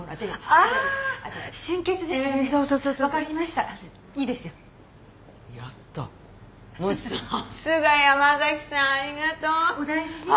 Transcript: ありがとう。